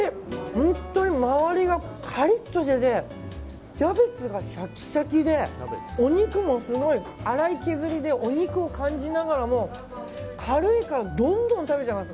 本当に回りがカリッとしててキャベツがシャキシャキでお肉もすごい粗い削りでお肉を感じながらも軽いからどんどん食べちゃいます。